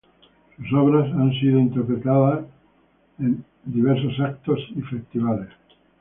Sus obras han sido interpretadas en diversos eventos y festivales.